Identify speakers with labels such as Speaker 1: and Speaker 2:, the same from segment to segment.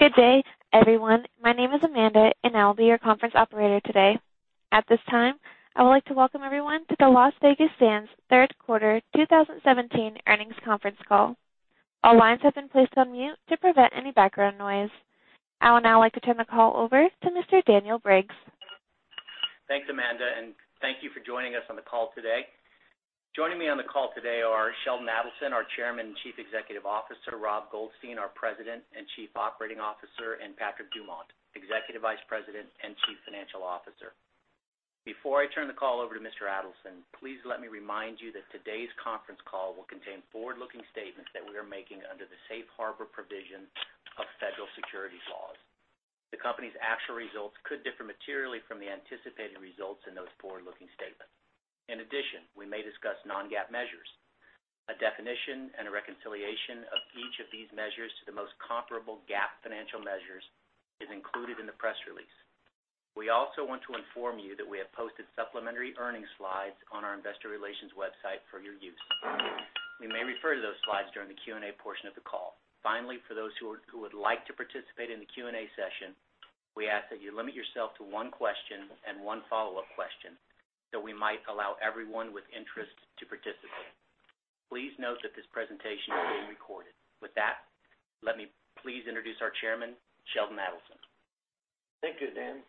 Speaker 1: Good day, everyone. My name is Amanda, and I will be your conference operator today. At this time, I would like to welcome everyone to the Las Vegas Sands third quarter 2017 earnings conference call. All lines have been placed on mute to prevent any background noise. I would now like to turn the call over to Mr. Daniel Briggs.
Speaker 2: Thanks, Amanda. Thank you for joining us on the call today. Joining me on the call today are Sheldon Adelson, our Chairman and Chief Executive Officer, Rob Goldstein, our President and Chief Operating Officer, and Patrick Dumont, Executive Vice President and Chief Financial Officer. Before I turn the call over to Mr. Adelson, please let me remind you that today's conference call will contain forward-looking statements that we are making under the safe harbor provision of federal securities laws. The company's actual results could differ materially from the anticipated results in those forward-looking statements. We may discuss non-GAAP measures. A definition and a reconciliation of each of these measures to the most comparable GAAP financial measures is included in the press release. We also want to inform you that we have posted supplementary earnings slides on our investor relations website for your use. We may refer to those slides during the Q&A portion of the call. Finally, for those who would like to participate in the Q&A session, we ask that you limit yourself to one question and one follow-up question so we might allow everyone with interest to participate. Please note that this presentation is being recorded. With that, let me please introduce our chairman, Sheldon Adelson.
Speaker 3: Thank you, Dan.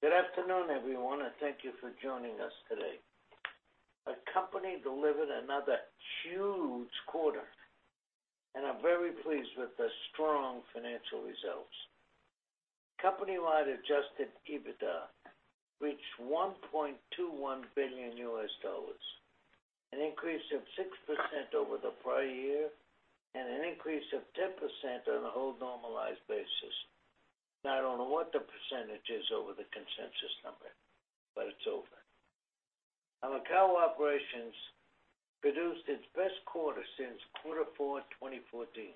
Speaker 3: Good afternoon, everyone. Thank you for joining us today. Our company delivered another huge quarter. I'm very pleased with the strong financial results. Company-wide adjusted EBITDA reached $1.21 billion, an increase of 6% over the prior year and an increase of 10% on a whole normalized basis. I don't know what the percentage is over the consensus number, but it's over. Our Macao operations produced its best quarter since quarter four 2014,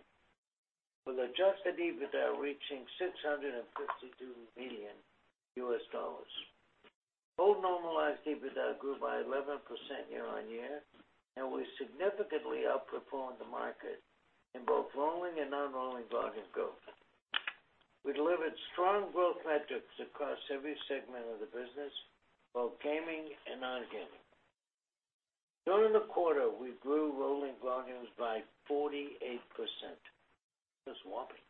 Speaker 3: with adjusted EBITDA reaching $652 million. Whole normalized EBITDA grew by 11% year-on-year. We significantly outperformed the market in both rolling and non-rolling volume growth. We delivered strong growth metrics across every segment of the business, both gaming and non-gaming. During the quarter, we grew rolling volumes by 48%, that's whopping,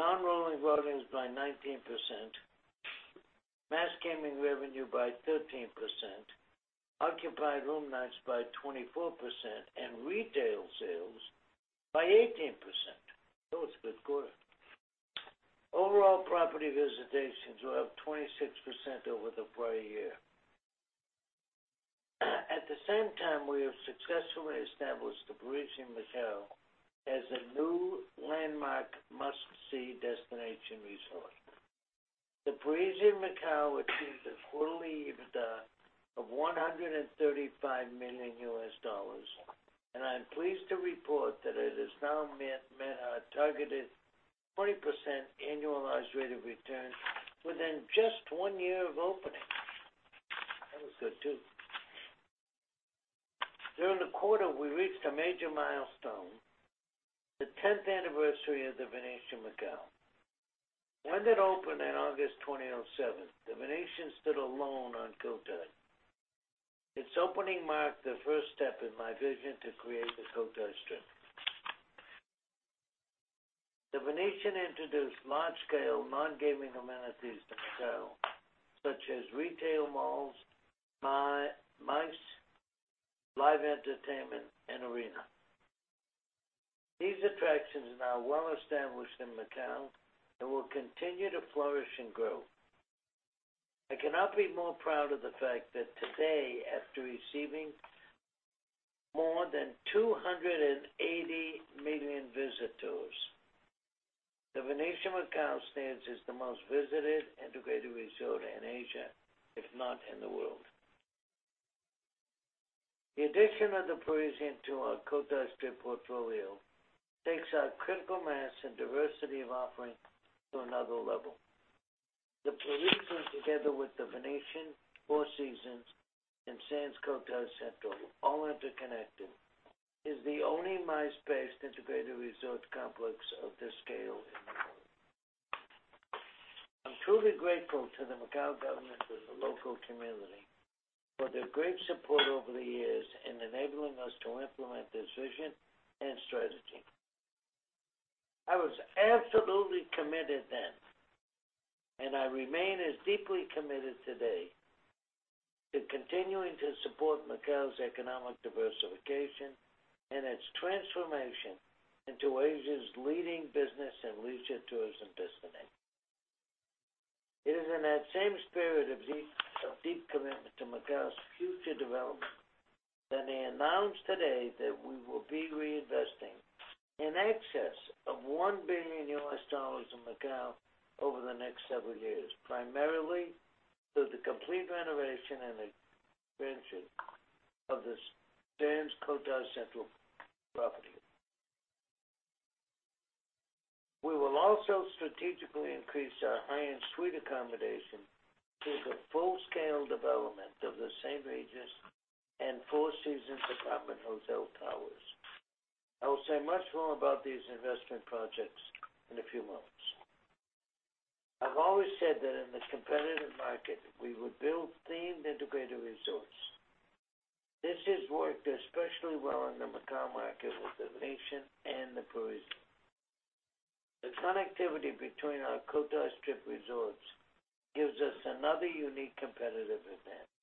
Speaker 3: non-rolling volumes by 19%, mass gaming revenue by 13%, occupied room nights by 24%, and retail sales by 18%. That was a good quarter. Overall property visitations were up 26% over the prior year. At the same time, we have successfully established The Parisian Macao as the new landmark must-see destination resort. The Parisian Macao achieved a full EBITDA of $135 million. I'm pleased to report that it has now met our targeted 40% annualized rate of return within just one year of opening. That was good, too. During the quarter, we reached a major milestone, the 10th anniversary of The Venetian Macao. When it opened in August 2007, The Venetian stood alone on Cotai. Its opening marked the first step in my vision to create the Cotai Strip. The Venetian introduced large-scale, non-gaming amenities to Macao, such as retail malls, MICE, live entertainment, and arena. These attractions are now well-established in Macao and will continue to flourish and grow. I cannot be more proud of the fact that today, after receiving more than 280 million visitors, The Venetian Macao stands as the most visited integrated resort in Asia, if not in the world. The addition of The Parisian to our Cotai Strip portfolio takes our critical mass and diversity of offering to another level. The Parisian, together with The Venetian, Four Seasons, and Sands Cotai Central, all interconnected, is the only MICE-based integrated resort complex of this scale in the world. I'm truly grateful to the Macao government and the local community for their great support over the years in enabling us to implement this vision and strategy. I was absolutely committed then, I remain as deeply committed today, to continuing to support Macao's economic diversification and its transformation into Asia's leading business and leisure tourism destination. It is in that same spirit of deep commitment to Macao's future development that I announce today that we will be reinvesting in excess of $1 billion in Macao over the next several years, primarily through the complete renovation and expansion of the Sands Cotai Central property. We will also strategically increase our high-end suite accommodation through the full-scale development of The Grand Suites And Four Seasons Apartment Hotel Towers. I will say much more about these investment projects in a few moments. I've always said that in this competitive market, we would build themed integrated resorts. This has worked especially well in the Macao market with The Venetian and The Parisian. The connectivity between our Cotai Strip resorts gives us another unique competitive advantage.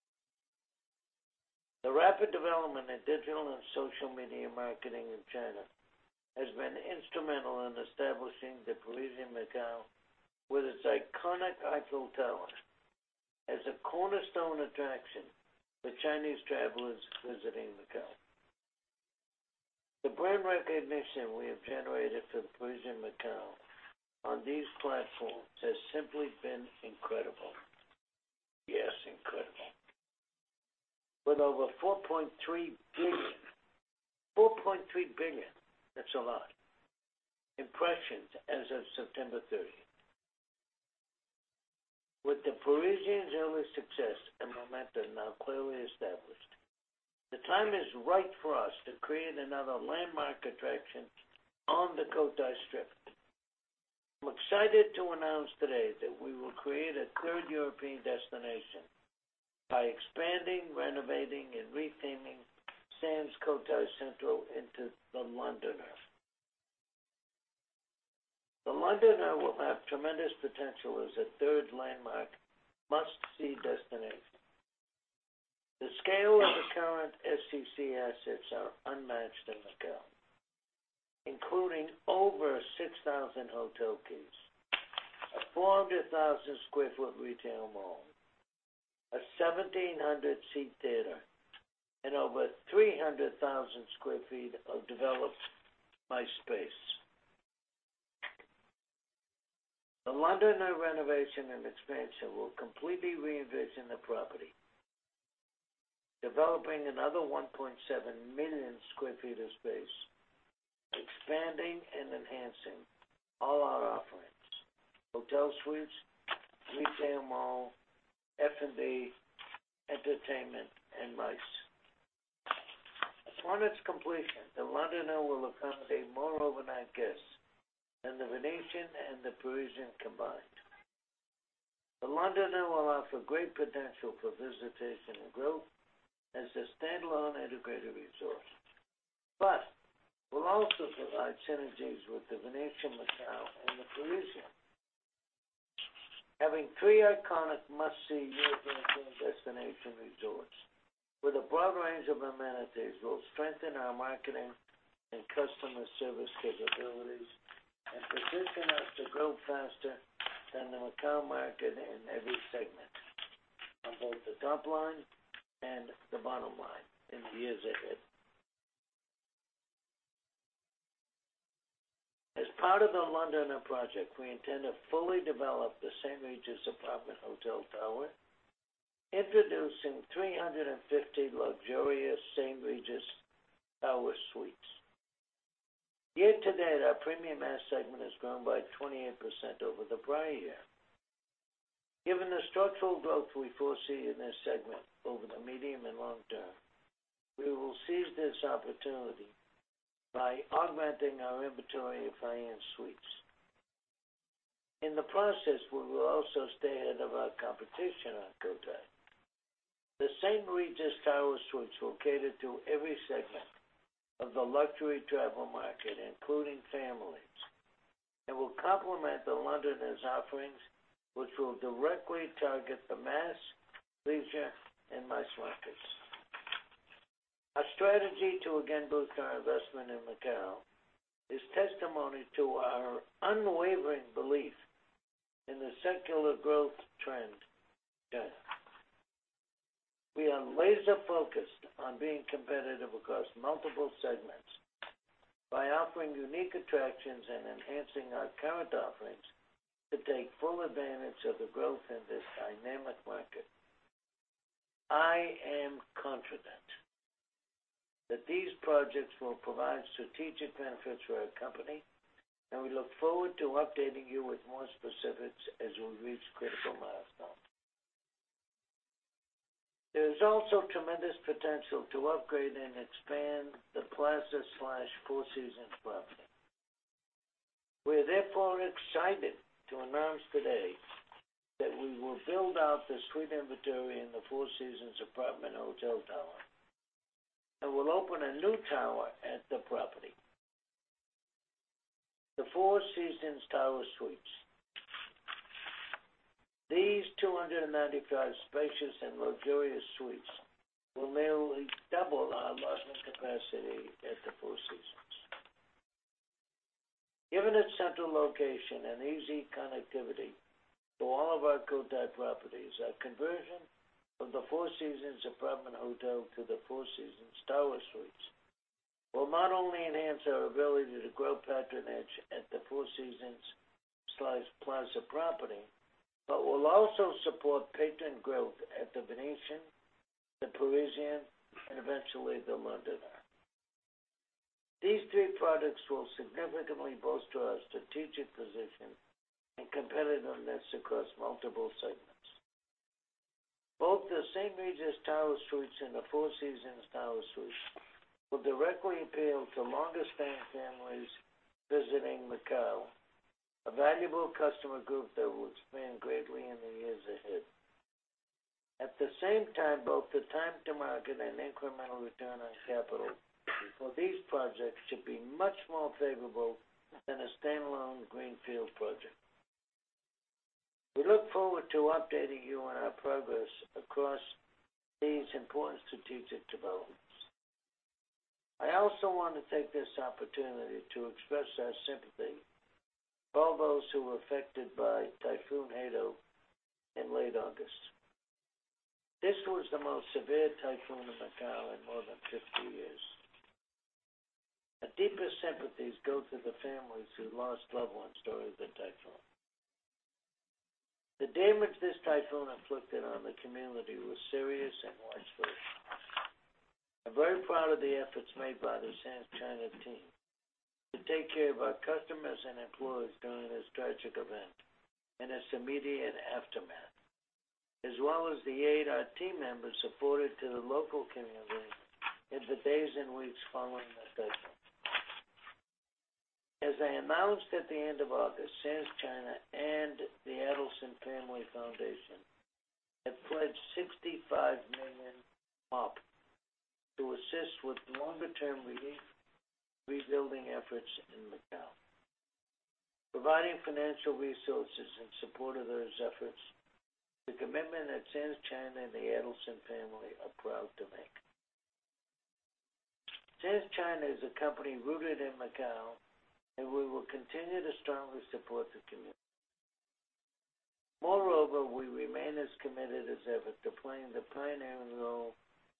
Speaker 3: The rapid development in digital and social media marketing in China has been instrumental in establishing The Parisian Macao, with its iconic Eiffel Tower, as a cornerstone attraction for Chinese travelers visiting Macao. The brand recognition we have generated for The Parisian Macao on these platforms has simply been incredible. Yes, incredible. With over 4.3 billion, that's a lot, impressions as of September 30th. With The Parisian's early success and momentum now clearly established, the time is right for us to create another landmark attraction on the Cotai Strip. I'm excited to announce today that we will create a third European destination by expanding, renovating, and retheming Sands Cotai Central into The Londoner. The Londoner will have tremendous potential as a third landmark must-see destination. The scale of the current Sands Cotai Central assets are unmatched in Macao, including over 6,000 hotel keys, a 400,000 sq ft retail mall, a 1,700-seat theater, and over 300,000 sq ft of devoted MICE space. The Londoner renovation and expansion will completely revision the property, developing another 1.7 million sq ft of space, expanding and enhancing all our offerings, hotel suites, retail mall, F&B, entertainment, and MICE. Upon its completion, The Londoner will accommodate more overnight guests than The Venetian and The Parisian combined. The Londoner will offer great potential for visitation growth as a standalone integrated resort, but will also provide synergies with The Venetian Macao and The Parisian. Having three iconic must-see European destination resorts with a broad range of amenities will strengthen our marketing and customer service capabilities and position us to grow faster than the Macao market in every segment, on both the top line and the bottom line in the years ahead. As part of The Londoner project, we intend to fully develop the St. Regis Apartment Hotel Tower, introducing 350 luxurious St. Regis tower suites. Year-to-date, our premium mass segment has grown by 28% over the prior year. Given the structural growth we foresee in this segment over the medium and long term, we will seize this opportunity by augmenting our inventory of high-end suites. In the process, we will also stay ahead of our competition on Cotai. The St. Regis tower suites will cater to every segment of the luxury travel market, including families, and will complement The Londoner's offerings, which will directly target the mass, leisure, and MICE markets. Our strategy to again boost our investment in Macao is testimony to our unwavering belief in the secular growth trend there. We are laser-focused on being competitive across multiple segments by offering unique attractions and enhancing our current offerings to take full advantage of the growth in this dynamic market. I am confident that these projects will provide strategic benefits for our company, and we look forward to updating you with more specifics as we reach critical milestones. There is also tremendous potential to upgrade and expand the Plaza/Four Seasons property. We are therefore excited to announce today that we will build out the suite inventory in the Four Seasons Apartment Hotel Tower and will open a new tower at the property, the Four Seasons Tower Suites. These 295 spacious and luxurious suites will nearly double our lodging capacity at the Four Seasons. Given its central location and easy connectivity to all of our Cotai properties, our conversion of the Four Seasons Apartment Hotel to the Four Seasons Tower Suites will not only enhance our ability to grow patronage at the Four Seasons/Plaza property, but will also support patron growth at The Venetian, The Parisian, and eventually The Londoner. These three products will significantly bolster our strategic position and competitiveness across multiple segments. Both the St. Regis Tower Suites and the Four Seasons Tower Suites will directly appeal to longer-staying families visiting Macao, a valuable customer group that will expand greatly in the years ahead. At the same time, both the time to market and incremental return on capital for these projects should be much more favorable than a standalone greenfield project. We look forward to updating you on our progress across these important strategic developments. I also want to take this opportunity to express our sympathy for all those who were affected by Typhoon Hato in late August. This was the most severe typhoon in Macao in more than 50 years. Our deepest sympathies go to the families who lost loved ones during the typhoon. The damage this typhoon inflicted on the community was serious and widespread. I'm very proud of the efforts made by the Sands China team to take care of our customers and employees during this tragic event and its immediate aftermath, as well as the aid our team members supported to the local community in the days and weeks following the typhoon. As I announced at the end of August, Sands China and the Adelson Family Foundation have pledged $65 million to assist with longer-term relief rebuilding efforts in Macao. Providing financial resources in support of those efforts is a commitment that Sands China and the Adelson family are proud to make. Sands China is a company rooted in Macao. We will continue to strongly support the community. Moreover, we remain as committed as ever to playing the pioneering role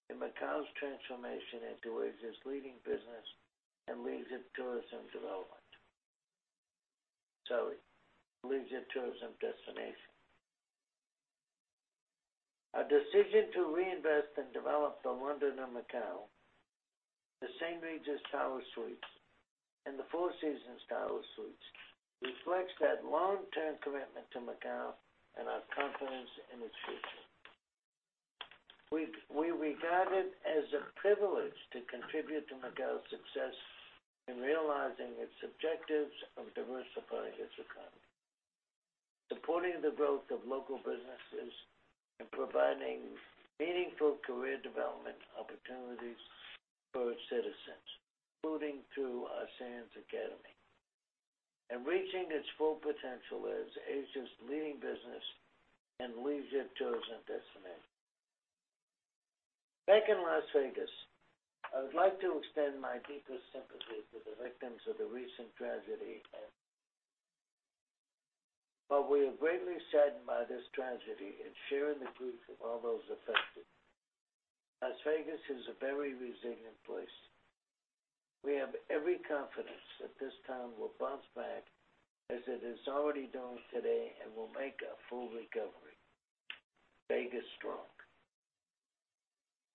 Speaker 3: in Macao's transformation into Asia's leading business and leisure tourism development. Sorry, leisure tourism destination. Our decision to reinvest and develop The Londoner Macao, the St. Regis Tower Suites, and the Four Seasons Tower Suites reflects that long-term commitment to Macao and our confidence in its future. We regard it as a privilege to contribute to Macao's success in realizing its objectives of diversifying its economy, supporting the growth of local businesses, and providing meaningful career development opportunities for its citizens, including through our Sands Academy, and reaching its full potential as Asia's leading business and leisure tourism destination. Back in Las Vegas, I would like to extend my deepest sympathy to the victims of the recent tragedy in. While we are greatly saddened by this tragedy and share in the grief of all those affected, Las Vegas is a very resilient place. We have every confidence that this town will bounce back as it is already doing today and will make a full recovery. Vegas strong.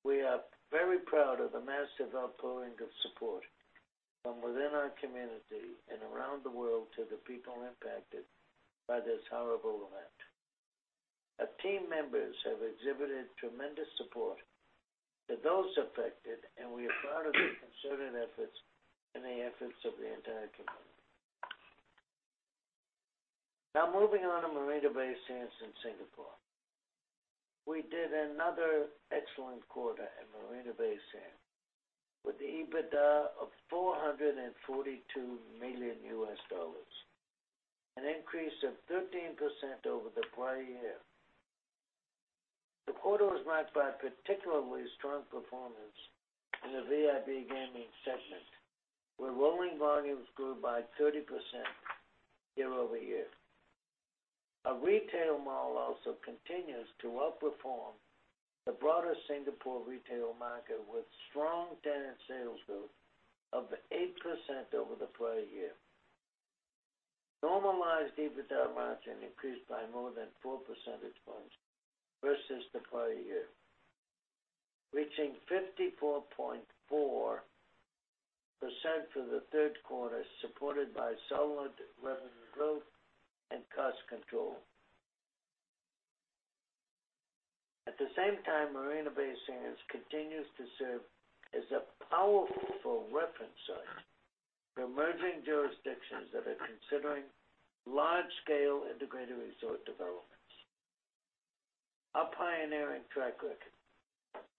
Speaker 3: We are very proud of the massive outpouring of support from within our community and around the world to the people impacted by this horrible event. Our team members have exhibited tremendous support to those affected. We are proud of the concerted efforts and the efforts of the entire community. Now moving on to Marina Bay Sands in Singapore. We did another excellent quarter at Marina Bay Sands, with EBITDA of $442 million, an increase of 13% over the prior year. The quarter was marked by particularly strong performance in the VIP gaming segment, where rolling volumes grew by 30% year-over-year. Our retail model also continues to outperform the broader Singapore retail market, with strong tenant sales growth of 8% over the prior year. Normalized EBITDA margin increased by more than four percentage points versus the prior year, reaching 54.4% for the third quarter, supported by solid revenue growth and cost control. At the same time, Marina Bay Sands continues to serve as a powerful reference site for emerging jurisdictions that are considering large-scale integrated resort developments. Our pioneering track record,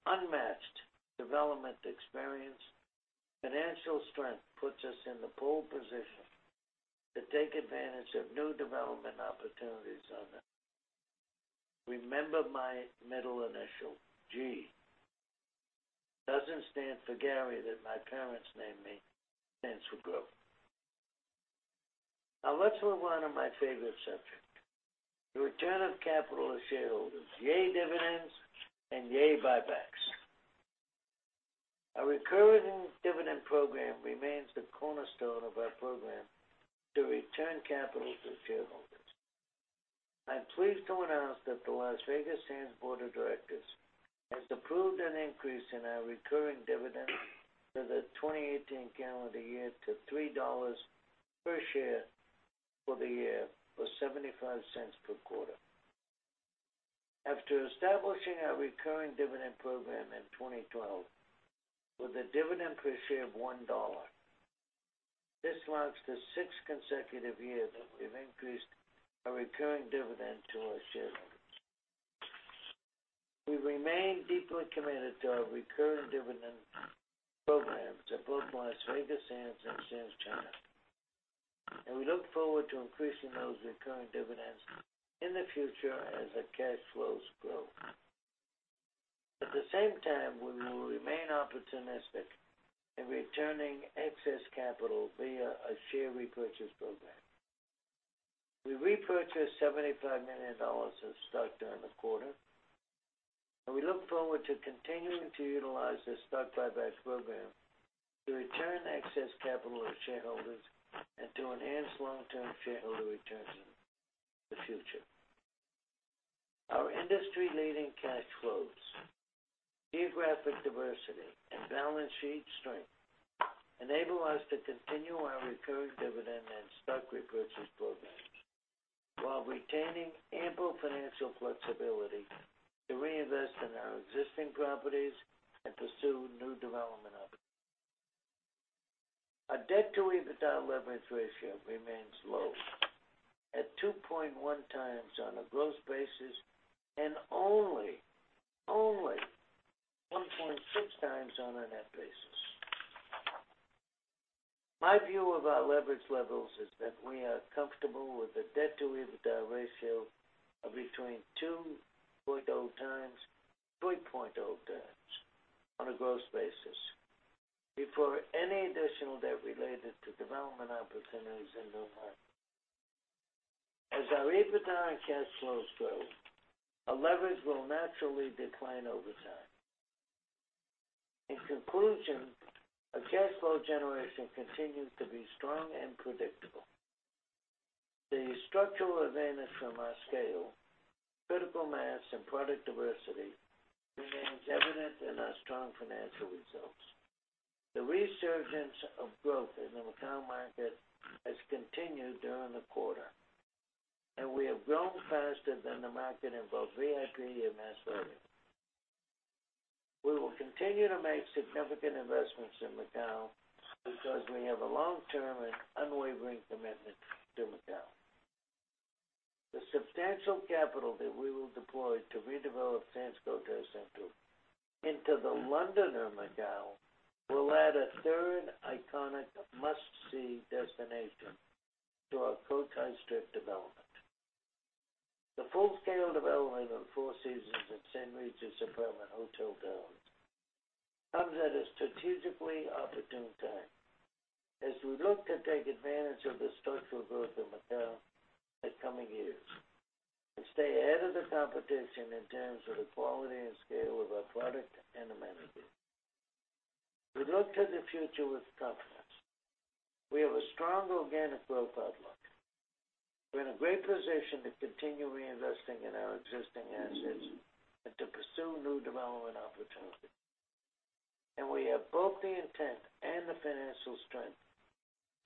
Speaker 3: unmatched development experience, financial strength puts us in the pole position to take advantage of new development opportunities on the horizon. Remember, my middle initial, G, doesn't stand for Gary, that my parents named me. It stands for growth. Let's move on to my favorite subject, the return of capital to shareholders. Yay, dividends, and yay, buybacks. Our recurring dividend program remains the cornerstone of our program to return capital to shareholders. I'm pleased to announce that the Las Vegas Sands board of directors has approved an increase in our recurring dividend for the 2018 calendar year to $3.00 per share for the year, or $0.75 per quarter. After establishing our recurring dividend program in 2012 with a dividend per share of $1.00, this marks the sixth consecutive year that we've increased our recurring dividend to our shareholders. We remain deeply committed to our recurring dividend programs at both Las Vegas Sands and Sands China, and we look forward to increasing those recurring dividends in the future as our cash flows grow. At the same time, we will remain opportunistic in returning excess capital via a share repurchase program. We repurchased $75 million of stock during the quarter, and we look forward to continuing to utilize the stock buyback program to return excess capital to shareholders and to enhance long-term shareholder returns in the future. Our industry-leading cash flows, geographic diversity, and balance sheet strength enable us to continue our recurring dividend and stock repurchase programs while retaining ample financial flexibility to reinvest in our existing properties and pursue new development opportunities. Our debt-to-EBITDA leverage ratio remains low at 2.1 times on a gross basis and only 1.6 times on a net basis. My view of our leverage levels is that we are comfortable with a debt-to-EBITDA ratio of between 2.0 times, 3.0 times on a gross basis before any additional debt related to development opportunities in new markets. As our EBITDA and cash flows grow, our leverage will naturally decline over time. In conclusion, our cash flow generation continues to be strong and predictable. The structural advantage from our scale, critical mass, and product diversity remains evident in our strong financial results. The resurgence of growth in the Macao market has continued during the quarter, and we have grown faster than the market in both VIP and mass markets. We will continue to make significant investments in Macao because we have a long-term and unwavering commitment to Macao. The substantial capital that we will deploy to redevelop Sands Cotai Central into The Londoner Macao will add a third iconic must-see destination to our Cotai Strip development. The full-scale development of Four Seasons and St. Regis apartment hotel tower comes at a strategically opportune time as we look to take advantage of the structural growth of Macao in coming years and stay ahead of the competition in terms of the quality and scale of our product and amenities. We look to the future with confidence. We have a strong organic growth outlook. We're in a great position to continue reinvesting in our existing assets and to pursue new development opportunities. We have both the intent and the financial strength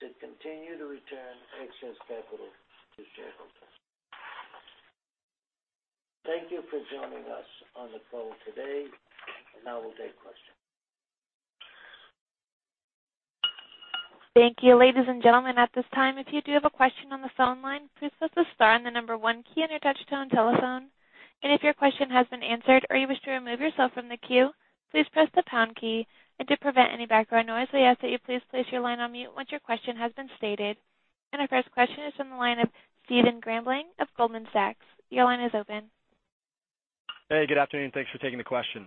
Speaker 3: to continue to return excess capital to shareholders. Thank you for joining us on the call today, and now we'll take questions.
Speaker 1: Thank you. Ladies and gentlemen, at this time, if you do have a question on the phone line, please press the star and the number one key on your touch-tone telephone. If your question has been answered or you wish to remove yourself from the queue, please press the pound key. To prevent any background noise, we ask that you please place your line on mute once your question has been stated. Our first question is from the line of Stephen Grambling of Goldman Sachs. Your line is open.
Speaker 4: Hey, good afternoon. Thanks for taking the question.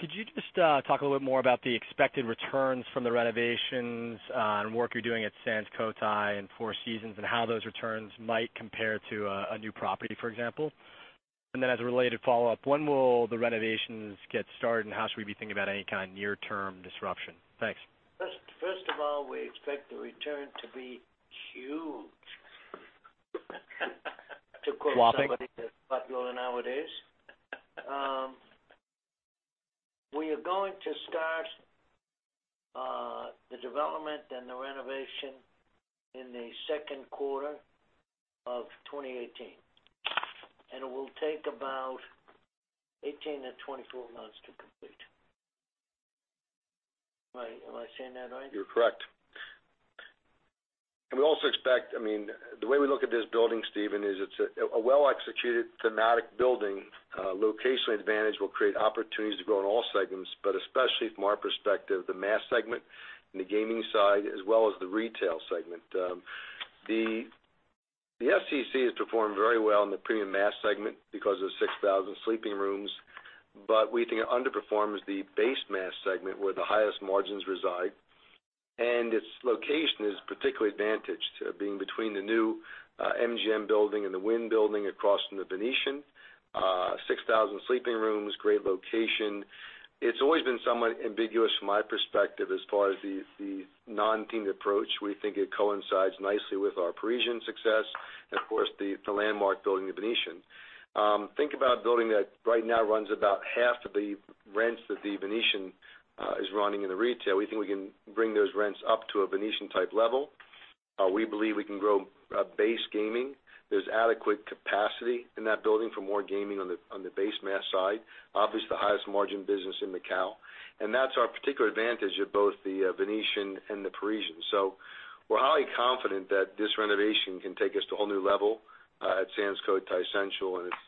Speaker 4: Could you just talk a little bit more about the expected returns from the renovations and work you're doing at Sands Cotai and Four Seasons, and how those returns might compare to a new property, for example? Then as a related follow-up, when will the renovations get started, and how should we be thinking about any kind of near-term disruption? Thanks.
Speaker 3: First of all, we expect the return to be huge.
Speaker 4: Swapping?
Speaker 3: To quote somebody that's popular nowadays. We are going to start the development and the renovation in the second quarter of 2018, and it will take about 18 to 24 months to complete. Am I saying that right?
Speaker 5: You're correct. The way we look at this building, Stephen, is it's a well-executed thematic building. Locational advantage will create opportunities to grow in all segments, but especially from our perspective, the mass segment and the gaming side, as well as the retail segment. The SCC has performed very well in the premium mass segment because of 6,000 sleeping rooms, but we think it underperforms the base mass segment where the highest margins reside. Its location is particularly advantaged, being between the new MGM building and the Wynn building across from The Venetian. 6,000 sleeping rooms, great location. It's always been somewhat ambiguous from my perspective as far as the non-themed approach. We think it coincides nicely with our Parisian success and of course the landmark building, The Venetian. Think about a building that right now runs about half the rents that The Venetian is running in the retail. We think we can bring those rents up to a Venetian type level. We believe we can grow base gaming. There's adequate capacity in that building for more gaming on the base mass side, obviously the highest margin business in Macao, and that's our particular advantage at both The Venetian and The Parisian. We're highly confident that this renovation can take us to a whole new level at Sands Cotai Central, and it's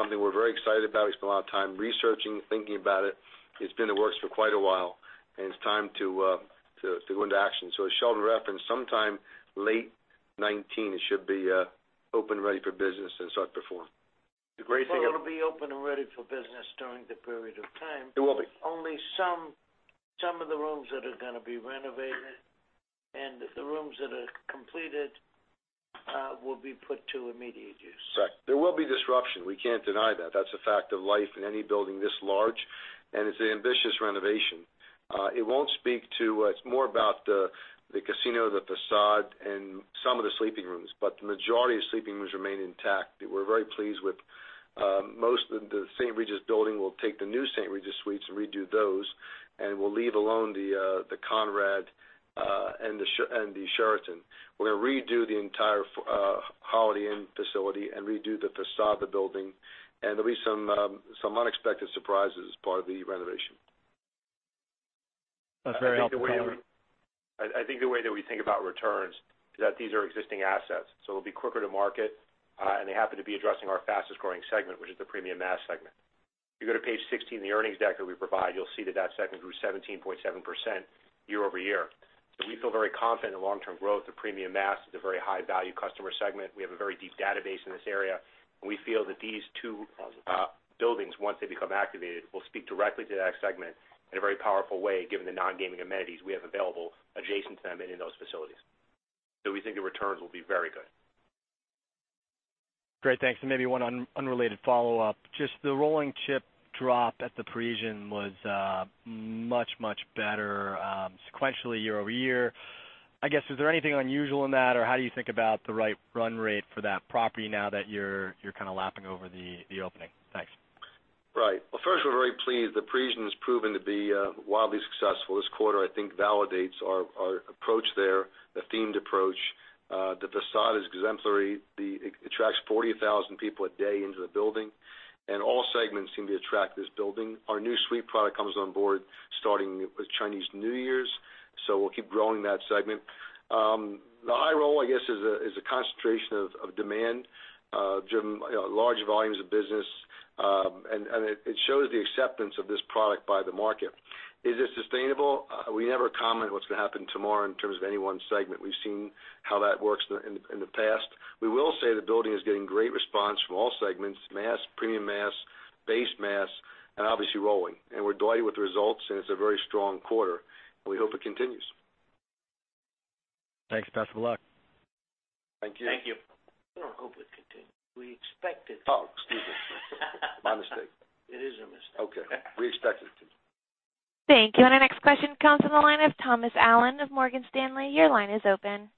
Speaker 5: something we're very excited about. We spend a lot of time researching and thinking about it. It's been in the works for quite a while, and it's time to go into action. Sheldon Adelson, sometime late 2019, it should be open and ready for business and start performing.
Speaker 3: It'll be open and ready for business during the period of time.
Speaker 5: It will be.
Speaker 3: Only some of the rooms that are going to be renovated, and the rooms that are completed will be put to immediate use.
Speaker 5: Right. There will be disruption. We can't deny that. That's a fact of life in any building this large, and it's an ambitious renovation. It's more about the casino, the facade, and some of the sleeping rooms, but the majority of sleeping rooms remain intact. We're very pleased with most of the St. Regis building. We'll take the new St. Regis Suites and redo those, and we'll leave alone the Conrad and the Sheraton. We're going to redo the entire Holiday Inn facility and redo the facade of the building, and there'll be some unexpected surprises as part of the renovation.
Speaker 4: That's very helpful.
Speaker 6: I think the way that we think about returns is that these are existing assets, so it'll be quicker to market. They happen to be addressing our fastest-growing segment, which is the premium mass segment. If you go to page 16, the earnings deck that we provide, you'll see that that segment grew 17.7% year-over-year. We feel very confident in long-term growth of premium mass. It's a very high-value customer segment. We have a very deep database in this area, and we feel that these two buildings, once they become activated, will speak directly to that segment in a very powerful way, given the non-gaming amenities we have available adjacent to them and in those facilities. We think the returns will be very good.
Speaker 4: Great. Thanks. Maybe one unrelated follow-up. Just the rolling chip drop at The Parisian was much, much better sequentially year-over-year. I guess, is there anything unusual in that, or how do you think about the right run rate for that property now that you're kind of lapping over the opening? Thanks.
Speaker 5: Right. Well, first, we're very pleased. The Parisian has proven to be wildly successful. This quarter, I think, validates our approach there, the themed approach. The facade is exemplary. It attracts 40,000 people a day into the building. All segments seem to attract this building. Our new suite product comes on board starting with Chinese New Year's. We'll keep growing that segment. The high roll, I guess, is a concentration of demand, driven large volumes of business. It shows the acceptance of this product by the market. Is it sustainable? We never comment what's going to happen tomorrow in terms of any one segment. We've seen how that works in the past. We will say the building is getting great response from all segments, mass, premium mass, base mass, and obviously rolling. We're delighted with the results, and it's a very strong quarter, and we hope it continues.
Speaker 4: Thanks. Best of luck.
Speaker 5: Thank you.
Speaker 3: Thank you. We don't hope it continues. We expect it.
Speaker 5: Oh, excuse me. My mistake.
Speaker 3: It is your mistake.
Speaker 5: Okay. We expect it to.
Speaker 1: Thank you. Our next question comes from the line of Thomas Allen of Morgan Stanley. Your line is open.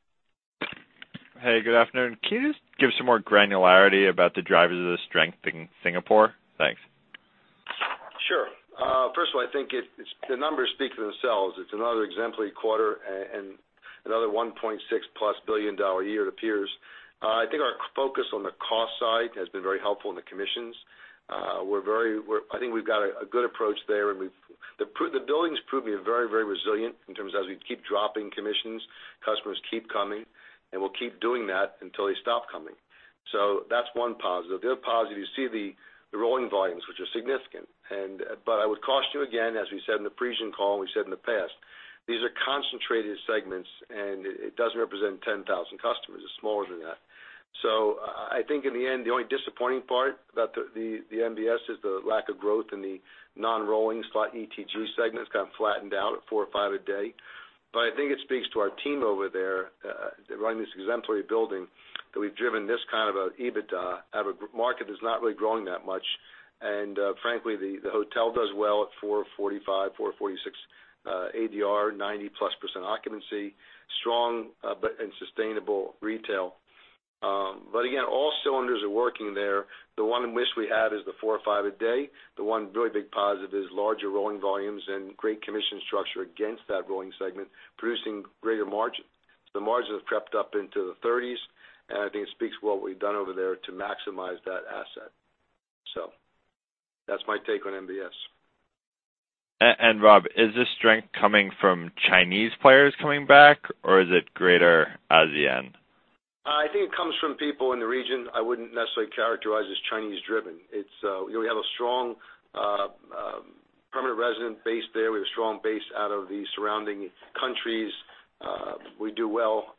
Speaker 7: Hey, good afternoon. Can you just give some more granularity about the drivers of the strength in Singapore? Thanks.
Speaker 5: Sure. First of all, I think the numbers speak for themselves. It's another exemplary quarter and another $1.6-plus billion year, it appears. I think our focus on the cost side has been very helpful in the commissions. I think we've got a good approach there, the building's proven very resilient in terms of as we keep dropping commissions, customers keep coming, and we'll keep doing that until they stop coming. That's one positive. The other positive, you see the rolling volumes, which are significant. I would caution you, again, as we said in the Parisian call and we said in the past, these are concentrated segments, and it doesn't represent 10,000 customers. It's smaller than that. I think in the end, the only disappointing part about the MBS is the lack of growth in the non-rolling slot ETG segment. It's kind of flattened out at four or five a day. I think it speaks to our team over there running this exemplary building that we've driven this kind of an EBITDA out of a market that's not really growing that much. Frankly, the hotel does well at 445, 446 ADR, 90-plus % occupancy, strong and sustainable retail. Again, all cylinders are working there. The one wish we had is the four or five a day. The one really big positive is larger rolling volumes and great commission structure against that rolling segment, producing greater margin. The margin has crept up into the 30s, and I think it speaks to what we've done over there to maximize that asset. That's my take on MBS.
Speaker 7: Rob, is this strength coming from Chinese players coming back, or is it greater ASEAN?
Speaker 5: I think it comes from people in the region. I wouldn't necessarily characterize it as Chinese-driven. We have a strong permanent resident base there. We have a strong base out of the surrounding countries. We do well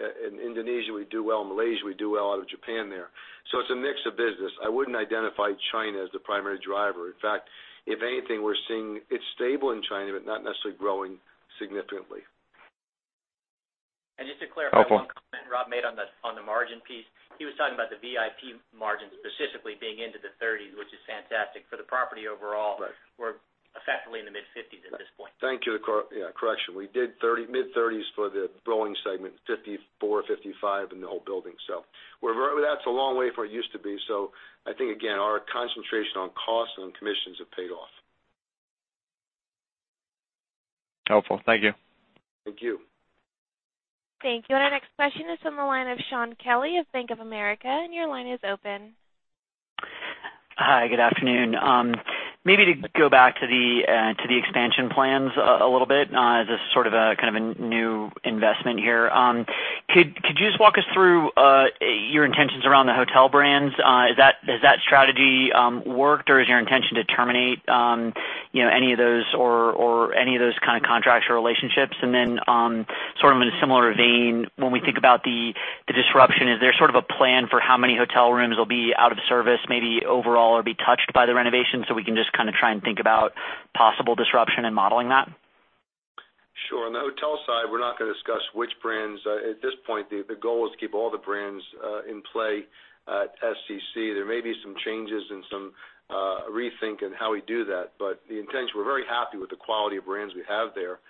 Speaker 5: in Indonesia, we do well in Malaysia, we do well out of Japan there. It's a mix of business. I wouldn't identify China as the primary driver. In fact, if anything, we're seeing it's stable in China, but not necessarily growing significantly.
Speaker 6: Just to clarify one comment Rob made on the margin piece, he was talking about the VIP margins specifically being into the 30s, which is fantastic. For the property overall.
Speaker 5: Right
Speaker 6: We're effectively in the mid 50s at this point.
Speaker 5: Thank you. Yeah, correction. We did mid 30s for the rolling segment, 54, 55 in the whole building. That's a long way from where it used to be. I think, again, our concentration on costs and commissions have paid off.
Speaker 7: Helpful. Thank you.
Speaker 5: Thank you.
Speaker 1: Thank you. Our next question is on the line of Shaun Kelley of Bank of America. Your line is open.
Speaker 8: Hi, good afternoon. Maybe to go back to the expansion plans a little bit as a sort of a new investment here. Could you just walk us through your intentions around the hotel brands? Has that strategy worked, or is your intention to terminate any of those contracts or relationships? In a similar vein, when we think about the disruption, is there a plan for how many hotel rooms will be out of service, maybe overall or be touched by the renovation, so we can just try and think about possible disruption and modeling that?
Speaker 5: Sure. On the hotel side, we're not going to discuss which brands. At this point, the goal is to keep all the brands in play at SCC. There may be some changes and some rethink in how we do that. The intention, we're very happy with the quality of brands we have there.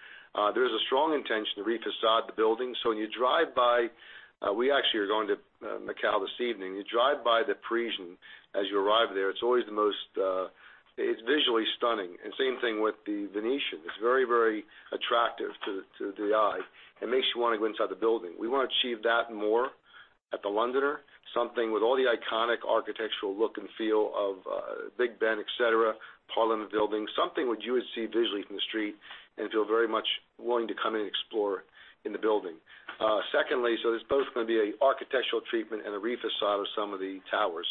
Speaker 5: There is a strong intention to re-facade the building. When you drive by, we actually are going to Macao this evening. You drive by the Parisian as you arrive there. It's visually stunning. Same thing with the Venetian. It's very attractive to the eye and makes you want to go inside the building. We want to achieve that and more at the Londoner, something with all the iconic architectural look and feel of Big Ben, et cetera, Parliament buildings. Something which you would see visually from the street and feel very much willing to come in and explore in the building. Secondly, there's both going to be an architectural treatment and a re-facade of some of the towers.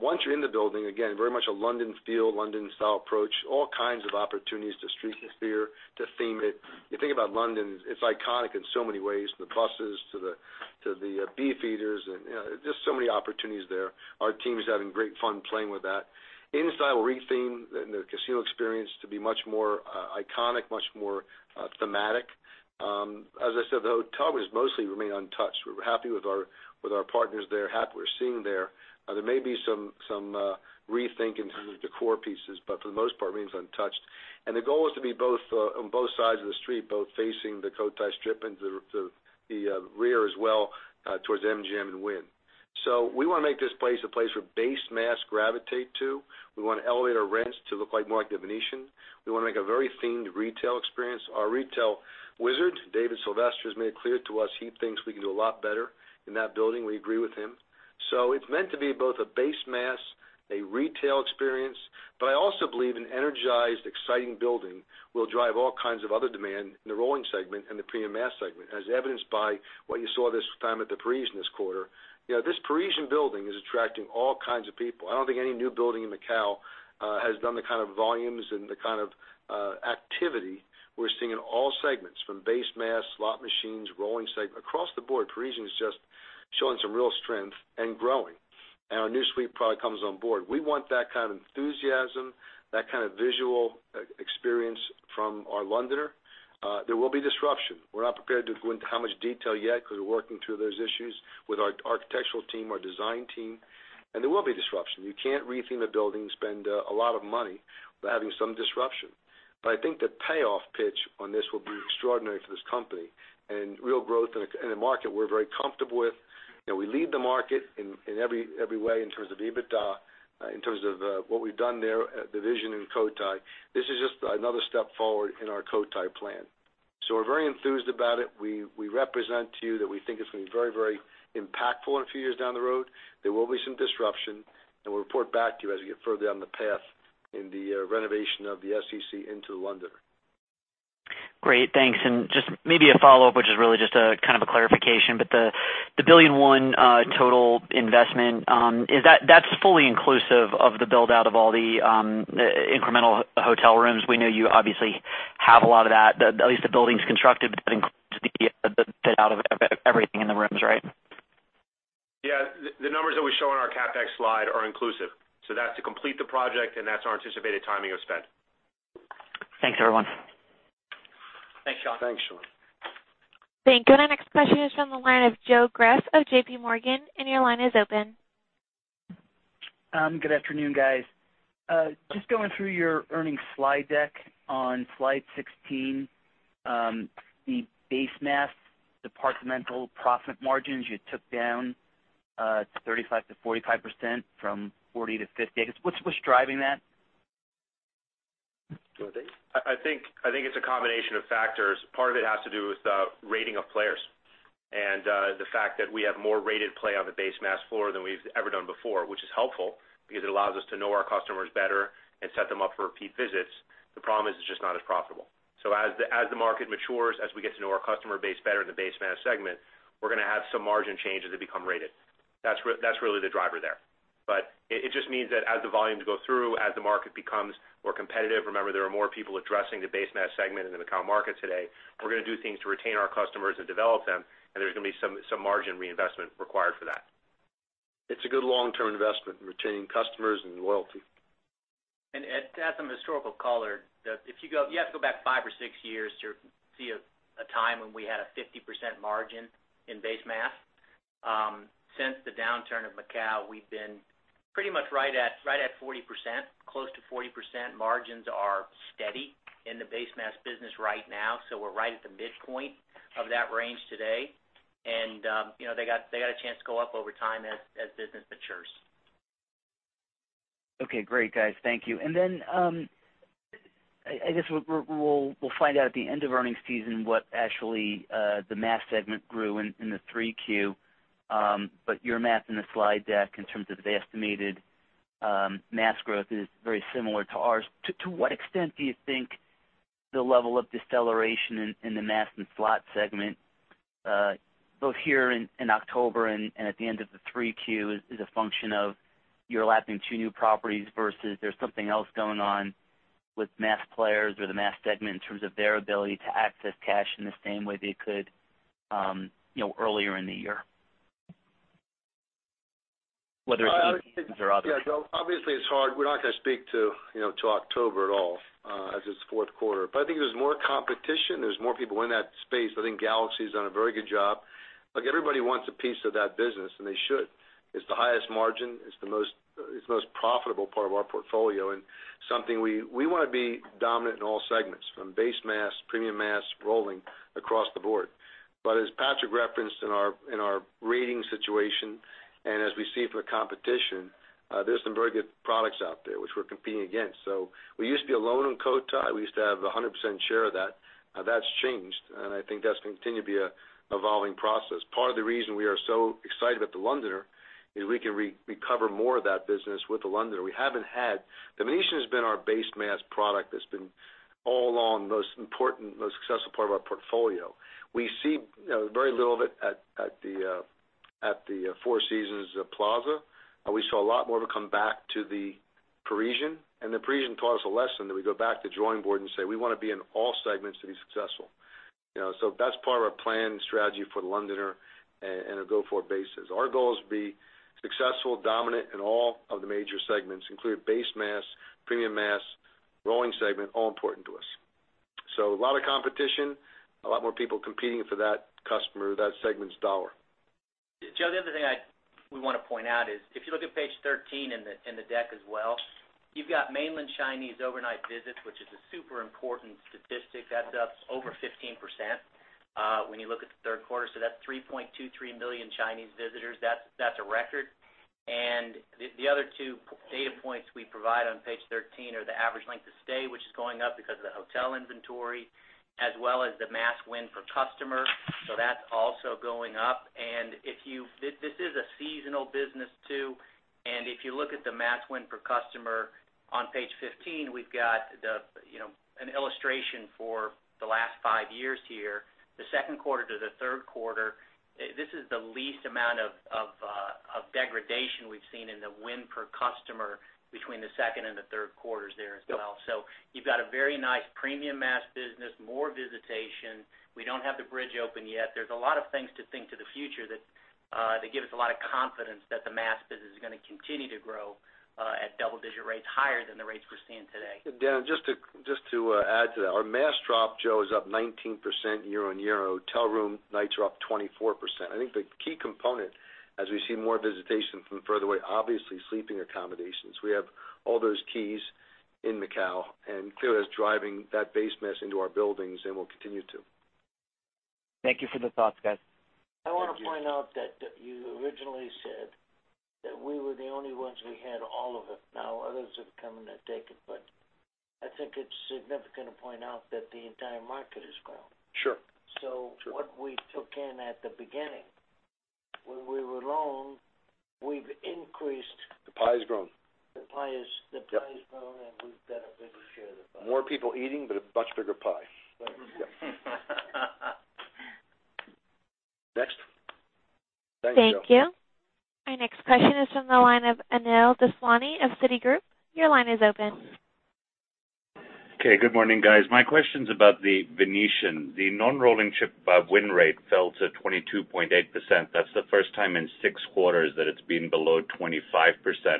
Speaker 5: Once you're in the building, again, very much a London feel, London style approach, all kinds of opportunities to street scene, to theme it. You think about London, it's iconic in so many ways, from the buses to the Beefeaters, and just so many opportunities there. Our team is having great fun playing with that. Inside, we'll re-theme the casino experience to be much more iconic, much more thematic. As I said, the hotel will mostly remain untouched. We're happy with our partners there, happy with what we're seeing there. There may be some rethinking of the decor pieces, but for the most part, remains untouched. The goal is to be on both sides of the street, both facing the Cotai Strip and the rear as well towards MGM and Wynn. We want to make this place a place where base mass gravitate to. We want to elevate our rents to look more like The Venetian. We want to make a very themed retail experience. Our retail wizard, David Sylvester, has made it clear to us he thinks we can do a lot better in that building. We agree with him. It's meant to be both a base mass, a retail experience. I also believe an energized, exciting building will drive all kinds of other demand in the rolling segment and the premium mass segment, as evidenced by what you saw this time at The Parisian this quarter. This Parisian building is attracting all kinds of people. I don't think any new building in Macao has done the kind of volumes and the kind of activity we're seeing in all segments, from base mass, slot machines, rolling segment. Across the board, Parisian is just showing some real strength and growing. Our new suite product comes on board. We want that kind of enthusiasm, that kind of visual experience from our Londoner. There will be disruption. We're not prepared to go into how much detail yet because we're working through those issues with our architectural team, our design team, and there will be disruption. You can't re-theme a building, spend a lot of money without having some disruption. I think the payoff pitch on this will be extraordinary for this company and real growth in a market we're very comfortable with. We lead the market in every way in terms of EBITDA, in terms of what we've done there at The Venetian in Cotai. This is just another step forward in our Cotai plan. We're very enthused about it. We represent to you that we think it's going to be very impactful in a few years down the road. There will be some disruption, and we'll report back to you as we get further down the path in the renovation of the SCC into The Londoner.
Speaker 8: Great. Thanks. Just maybe a follow-up, which is really just a kind of a clarification, but the $1,000,000,001 total investment, that's fully inclusive of the build-out of all the incremental hotel rooms. We know you obviously have a lot of that. At least the building's constructed, but that includes the fit out of everything in the rooms, right?
Speaker 6: Yeah. The numbers that we show on our CapEx slide are inclusive. That's to complete the project, and that's our anticipated timing of spend.
Speaker 8: Thanks, everyone.
Speaker 6: Thanks, Shaun.
Speaker 5: Thanks, Shaun.
Speaker 1: Thank you. Our next question is from the line of Joseph Greff of JPMorgan Chase. Your line is open.
Speaker 9: Good afternoon, guys. Just going through your earnings slide deck on slide 16, the base mass departmental profit margins, you took down 35%-45% from 40%-50%. What's driving that?
Speaker 5: You want to take it?
Speaker 6: I think it's a combination of factors. Part of it has to do with the rating of players and the fact that we have more rated play on the base mass floor than we have ever done before, which is helpful because it allows us to know our customers better and set them up for repeat visits. The problem is it is just not as profitable. As the market matures, as we get to know our customer base better in the base mass segment, we are going to have some margin changes that become rated. That is really the driver there. It just means that as the volumes go through, as the market becomes more competitive, remember, there are more people addressing the base mass segment in the Macaou market today. We are going to do things to retain our customers and develop them, and there is going to be some margin reinvestment required for that.
Speaker 5: It is a good long-term investment in retaining customers and loyalty.
Speaker 2: To add some historical color, you have to go back five or six years to see a time when we had a 50% margin in base mass. Since the downturn of Macao, we have been pretty much right at close to 40%. Margins are steady in the base mass business right now, so we are right at the midpoint of that range today. They got a chance to go up over time as business matures.
Speaker 9: Okay, great, guys. Thank you. I guess we'll find out at the end of earnings season what actually the mass segment grew in the 3Q, but your math in the slide deck in terms of the estimated mass growth is very similar to ours. To what extent do you think the level of deceleration in the mass and slot segment, both here in October and at the end of the 3Q, is a function of your lapping two new properties versus there's something else going on with mass players or the mass segment in terms of their ability to access cash in the same way they could earlier in the year? Whether it's EP or others.
Speaker 5: Yeah. Obviously, it's hard. We're not going to speak to October at all, as it's fourth quarter. I think there's more competition. There's more people in that space. I think Galaxy's done a very good job. Look, everybody wants a piece of that business, and they should. It's the highest margin. It's the most profitable part of our portfolio, and something we want to be dominant in all segments, from base mass, premium mass, rolling, across the board. As Patrick referenced in our ratings situation, and as we see from competition, there's some very good products out there which we're competing against. We used to be alone on Cotai. We used to have 100% share of that. Now, that's changed, and I think that's going to continue to be an evolving process. Part of the reason we are so excited about The Londoner is we can recover more of that business with The Londoner. The Venetian has been our base mass product that's been, all along, the most important, most successful part of our portfolio. We see very little of it at the Four Seasons Plaza. We saw a lot more of it come back to The Parisian. The Parisian taught us a lesson, that we go back to the drawing board and say, "We want to be in all segments to be successful." That's part of our plan and strategy for The Londoner and a go-forward basis. Our goal is to be successful, dominant in all of the major segments, including base mass, premium mass, rolling segment, all important to us. A lot of competition, a lot more people competing for that customer, that segment's dollar.
Speaker 2: Joe, the other thing we want to point out is, if you look at page 13 in the deck as well, you've got mainland Chinese overnight visits, which is a super important statistic. That's up over 15% when you look at the third quarter. That's 3.23 million Chinese visitors. That's a record. The other two data points we provide on page 13 are the average length of stay, which is going up because of the hotel inventory, as well as the mass win per customer. That's also going up. This is a seasonal business, too. If you look at the mass win per customer on page 15, we've got an illustration for the last five years here. The second quarter to the third quarter, this is the least amount of degradation we've seen in the win per customer between the second and the third quarters there as well. You've got a very nice premium mass business, more visitation. We don't have the bridge open yet. There's a lot of things to think to the future that give us a lot of confidence that the mass business is going to continue to grow at double-digit rates higher than the rates we're seeing today.
Speaker 5: Dan, just to add to that, our mass drop, Joe, is up 19% year-on-year. Hotel room nights are up 24%. I think the key component, as we see more visitation from further away, obviously sleeping accommodations. We have all those keys in Macao, and clearly that's driving that base mass into our buildings and will continue to.
Speaker 9: Thank you for the thoughts, guys.
Speaker 3: I want to point out that you originally said that we were the only ones who had all of it. Now others have come in to take it, I think it's significant to point out that the entire market has grown.
Speaker 5: Sure.
Speaker 3: What we took in at the beginning, when we were alone, we've increased.
Speaker 5: The pie has grown.
Speaker 3: The pie has grown, and we've got a bigger share of the pie.
Speaker 5: More people eating, but a much bigger pie.
Speaker 3: Right.
Speaker 5: Yeah. Next. Thanks, Joe.
Speaker 1: Thank you. Our next question is from the line of Anil Daswani of Citigroup. Your line is open.
Speaker 10: Okay, good morning, guys. My question's about the Venetian. The non-rolling chip win rate fell to 22.8%. That's the first time in six quarters that it's been below 25%.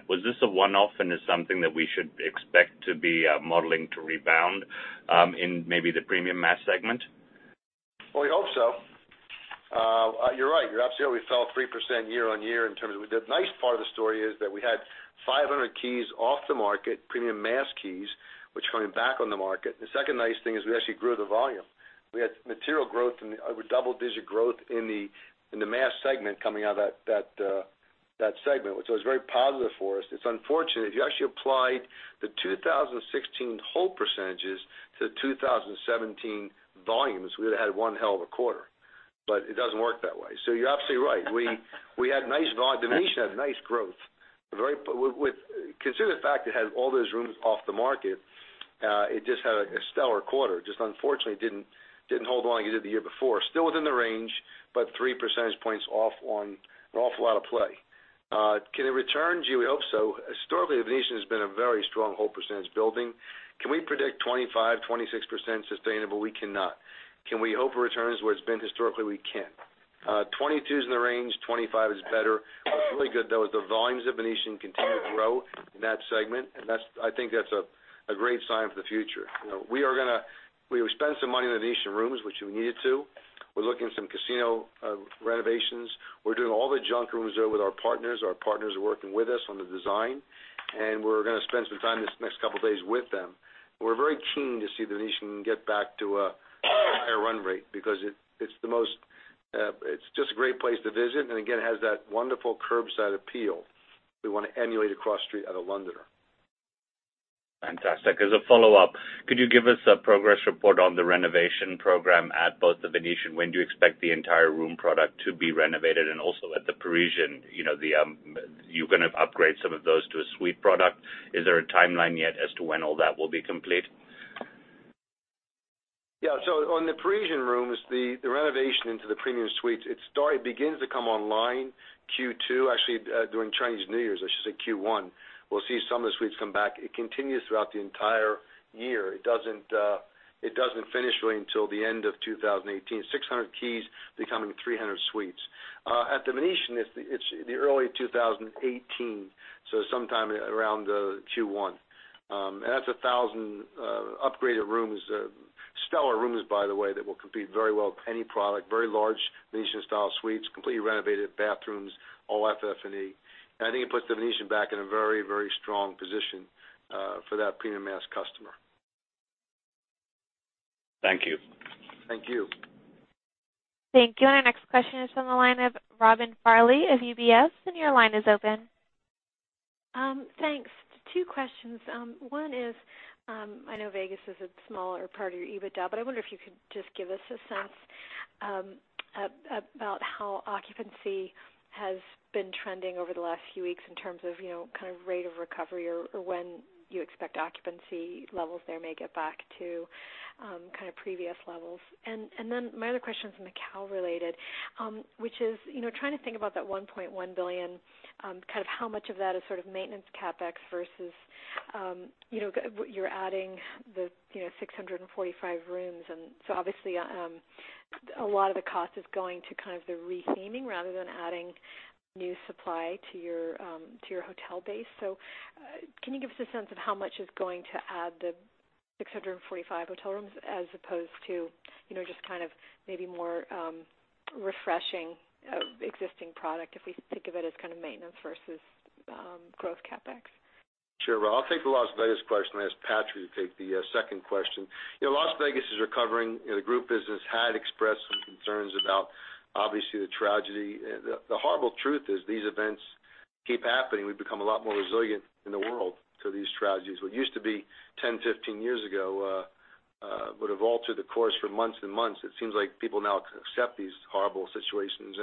Speaker 10: Was this a one-off, is something that we should expect to be modeling to rebound in maybe the premium mass segment?
Speaker 5: Well, we hope so. You're right. You're absolutely. We fell 3% year-over-year. The nice part of the story is that we had 500 keys off the market, premium mass keys, which are coming back on the market. The second nice thing is we actually grew the volume. We had material growth and over double-digit growth in the mass segment coming out of that segment, which was very positive for us. It's unfortunate. If you actually applied the 2016 hold percentages to the 2017 volumes, we would've had one hell of a quarter. It doesn't work that way. You're absolutely right. We had nice. The Venetian had nice growth. Consider the fact it had all those rooms off the market, it just had a stellar quarter. Just unfortunately didn't hold volume like it did the year before. Still within the range, three percentage points off on an awful lot of play. Can it return, do we hope so? Historically, The Venetian has been a very strong hold percentage building. Can we predict 25%, 26% sustainable? We cannot. Can we hope it returns where it's been historically? We can. 22 is in the range, 25 is better. What's really good, though, is the volumes of The Venetian continue to grow in that segment, and I think that's a great sign for the future. We will spend some money on The Venetian rooms, which we needed to. We're looking at some casino renovations. We're doing all the junk rooms there with our partners. Our partners are working with us on the design, and we're going to spend some time this next couple of days with them. We're very keen to see The Venetian get back to a higher run rate because it's just a great place to visit and, again, has that wonderful curbside appeal we want to emulate across the street at The Londoner.
Speaker 10: Fantastic. As a follow-up, could you give us a progress report on the renovation program at both The Venetian? When do you expect the entire room product to be renovated? Also at The Parisian, you're going to upgrade some of those to a suite product. Is there a timeline yet as to when all that will be complete?
Speaker 5: Yeah. On The Parisian rooms, the renovation into the premium suites, it begins to come online Q2. Actually, during Chinese New Year's, I should say Q1. We'll see some of the suites come back. It continues throughout the entire year. It doesn't finish really until the end of 2018. 600 keys becoming 300 suites. At The Venetian, it's in early 2018, so sometime around Q1. That's 1,000 upgraded rooms, stellar rooms, by the way, that will compete very well with any product. Very large Venetian-style suites, completely renovated bathrooms, all FF&E. I think it puts The Venetian back in a very strong position for that premium mass customer.
Speaker 2: Thank you.
Speaker 5: Thank you.
Speaker 1: Thank you. Our next question is from the line of Robin Farley of UBS. Your line is open.
Speaker 11: Thanks. Two questions. One is, I know Vegas is a smaller part of your EBITDA. I wonder if you could just give us a sense about how occupancy has been trending over the last few weeks in terms of kind of rate of recovery or when you expect occupancy levels there may get back to kind of previous levels. My other question is Macao related, which is, trying to think about that $1.1 billion, kind of how much of that is sort of maintenance CapEx versus you're adding the 645 rooms so obviously, a lot of the cost is going to kind of the retheming rather than adding new supply to your hotel base. Can you give us a sense of how much is going to add the 645 hotel rooms as opposed to just kind of maybe more refreshing existing product, if we think of it as kind of maintenance versus growth CapEx?
Speaker 5: Sure, Robin. I'll take the Las Vegas question and ask Patrick to take the second question. Las Vegas is recovering. The group business had expressed some concerns about, obviously, the tragedy. The horrible truth is these events keep happening. We've become a lot more resilient in the world to these tragedies. What used to be 10, 15 years ago would have altered the course for months and months, it seems like people now accept these horrible situations.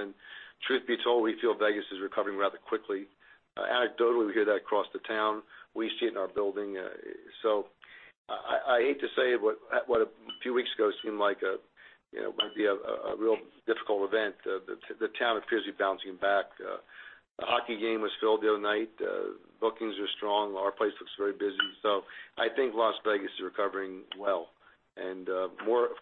Speaker 5: Truth be told, we feel Vegas is recovering rather quickly. Anecdotally, we hear that across the town. We see it in our building. I hate to say what a few weeks ago seemed like might be a real difficult event, the town appears to be bouncing back. The hockey game was filled the other night. Bookings are strong. Our place looks very busy. I think Las Vegas is recovering well and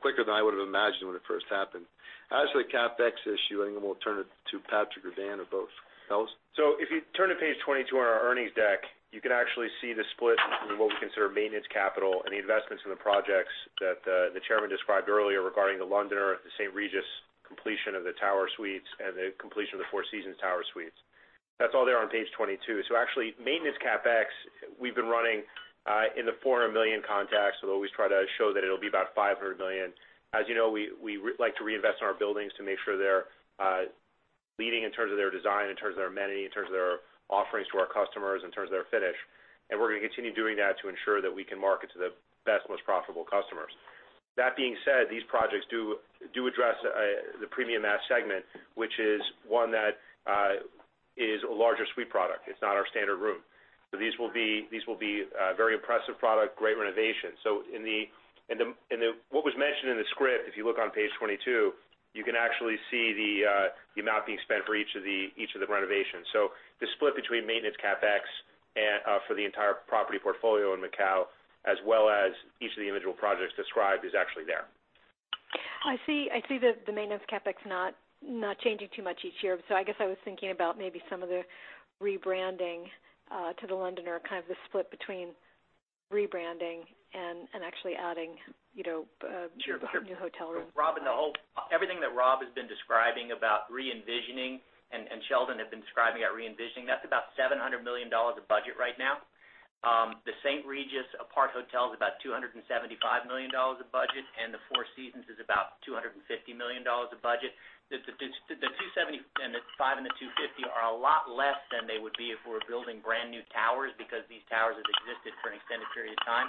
Speaker 5: quicker than I would've imagined when it first happened. As for the CapEx issue, I think I'm going to turn it to Patrick or Dan or both of us.
Speaker 6: If you turn to page 22 on our earnings deck, you can actually see the split in what we consider maintenance capital and the investments in the projects that the chairman described earlier regarding The Londoner, The St. Regis completion of the tower suites, and the completion of The Four Seasons tower suites. That's all there on page 22. Actually, maintenance CapEx, we've been running in the $400 million context, we always try to show that it'll be about $500 million. As you know, we like to reinvest in our buildings to make sure they're leading in terms of their design, in terms of their amenity, in terms of their offerings to our customers, in terms of their finish. We're going to continue doing that to ensure that we can market to the best, most profitable customers. That being said, these projects do address the premium mass segment, which is one that is a larger suite product. It's not our standard room. These will be a very impressive product, great renovation. What was mentioned in the script, if you look on page 22, you can actually see the amount being spent for each of the renovations. The split between maintenance CapEx for the entire property portfolio in Macao as well as each of the individual projects described is actually there.
Speaker 11: I see the maintenance CapEx not changing too much each year. I guess I was thinking about maybe some of the rebranding to The Londoner, kind of the split between rebranding and actually adding new hotel rooms.
Speaker 5: Sure.
Speaker 2: Robin, everything that Rob has been describing about re-envisioning and Sheldon had been describing about re-envisioning, that's about $700 million of budget right now. The St. Regis apart hotel is about $275 million of budget, and the Four Seasons is about $250 million of budget. The $275 and the $250 are a lot less than they would be if we were building brand-new towers because these towers have existed for an extended period of time.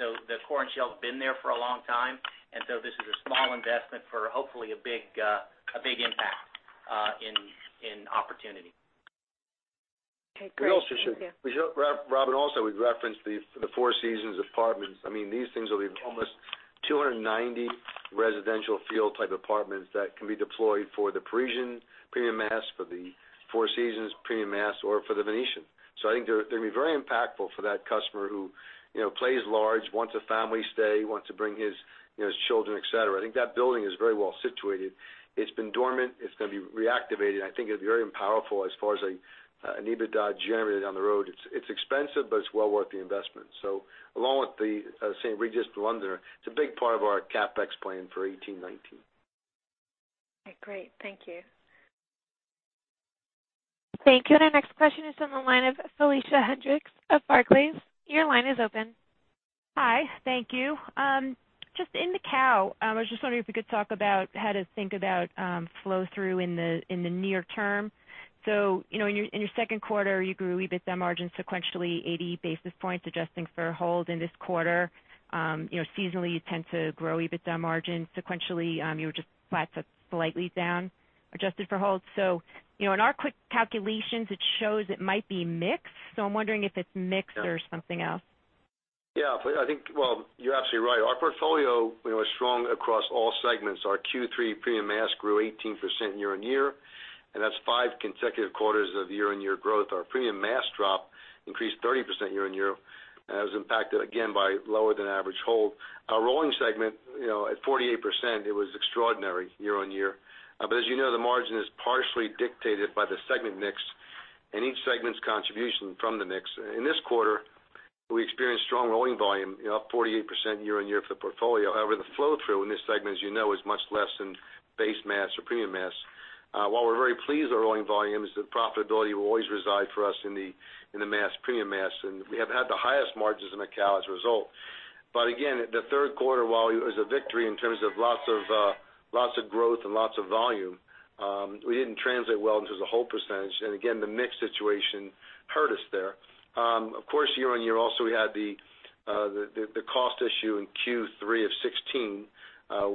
Speaker 2: The core and shell's been there for a long time, and this is a small investment for hopefully a big impact in opportunity.
Speaker 11: Okay, great. Thank you.
Speaker 5: Robin, also we've referenced the Four Seasons apartments. These things will be almost 290 residential feel type apartments that can be deployed for The Parisian premium mass, for the Four Seasons premium mass, or for The Venetian. I think they're going to be very impactful for that customer who plays large, wants a family stay, wants to bring his children, et cetera. I think that building is very well-situated. It's been dormant. It's going to be reactivated. I think it'll be very powerful as far as an EBITDA generator down the road. It's expensive, but it's well worth the investment. Along with the St. Regis London, it's a big part of our CapEx plan for 2018, 2019.
Speaker 11: Okay, great. Thank you.
Speaker 1: Thank you. Our next question is on the line of Felicia Hendrix of Barclays. Your line is open.
Speaker 12: Hi, thank you. Just in Macao, I was just wondering if you could talk about how to think about flow-through in the near term. In your second quarter, you grew EBITDA margin sequentially 80 basis points, adjusting for a hold in this quarter. Seasonally, you tend to grow EBITDA margin sequentially. You were just flat to slightly down, adjusted for holds. In our quick calculations, it shows it might be mix. I'm wondering if it's mix or something else.
Speaker 5: Well, you're absolutely right. Our portfolio was strong across all segments. Our Q3 premium mass grew 18% year-on-year. That's five consecutive quarters of year-on-year growth. Our premium mass drop increased 30% year-on-year and was impacted again by lower than average hold. Our rolling segment, at 48%, it was extraordinary year-on-year. As you know, the margin is partially dictated by the segment mix and each segment's contribution from the mix. In this quarter, we experienced strong rolling volume, up 48% year-on-year for the portfolio. However, the flow-through in this segment as you know, is much less than base mass or premium mass. While we're very pleased with our rolling volumes, the profitability will always reside for us in the mass, premium mass, and we have had the highest margins in Macao as a result. Again, the third quarter, while it was a victory in terms of lots of growth and lots of volume, we didn't translate well into the hold percentage. Again, the mix situation hurt us there. Of course, year-on-year also, we had the cost issue in Q3 of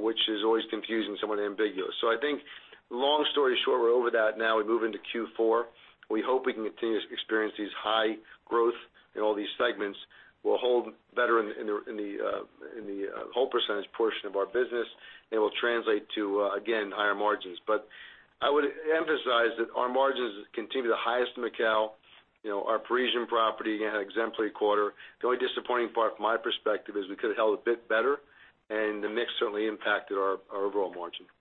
Speaker 5: 2016, which is always confusing, somewhat ambiguous. I think long story short, we're over that now. We move into Q4. We hope we can continue to experience these high growth in all these segments. We'll hold better in the hold percentage portion of our business, and it will translate to, again, higher margins. I would emphasize that our margins continue to highest in Macao. Our Parisian property had an exemplary quarter. The only disappointing part from my perspective is we could've held a bit better, and the mix certainly impacted our overall margin.
Speaker 12: Okay.